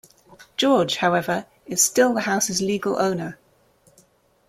George, however, is still the house's legal owner.